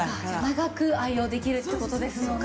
長く愛用できるって事ですもんね。